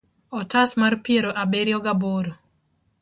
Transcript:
otas mar piero abiriyo ga boro